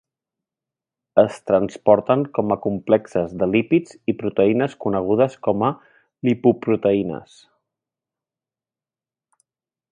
Es transporten com a complexes de lípids i proteïnes conegudes com a lipoproteïnes.